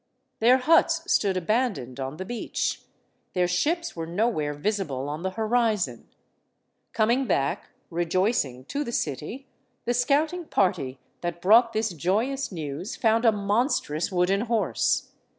Their huts stood abandoned on the beach, their ships were nowhere visible on the horizon. Coming back, rejoicing, to the city, the scout ing party that brought this joyous news found a monstrous wooden horse.